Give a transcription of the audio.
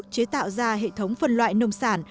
chế tạo ra hệ thống phân loại nông sản